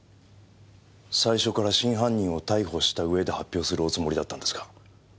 最初から真犯人を逮捕したうえで発表するおつもりだったんですか？